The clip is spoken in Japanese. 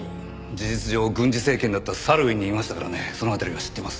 事実上軍事政権だったサルウィンにいましたからねその辺りは知ってます。